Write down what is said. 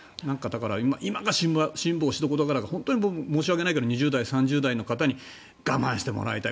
今が辛抱しどころだから申し訳ないけど２０代３０代の方に我慢してもらいたい。